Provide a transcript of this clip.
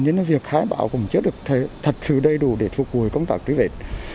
nên là việc khai bão cũng chưa được thật sự đầy đủ để phục vụ công tác truy vết